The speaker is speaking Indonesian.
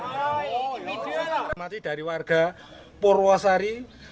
saya mengucapkan selamat datang dari warga purwasari